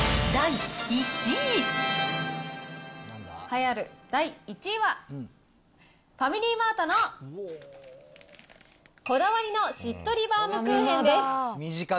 栄えある第１位は、ファミリーマートのこだわりのしっとりバウムクーヘンです。